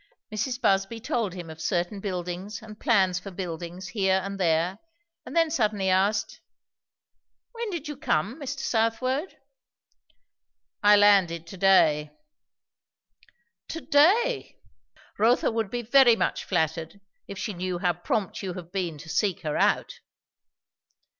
Mrs. Busby told him of certain buildings and plans for buildings here and there, and then suddenly asked, "When did you come, Mr. Southwode?" "I landed to day." "To day! Rotha would be very much flattered if she knew how prompt you have been to seek her out."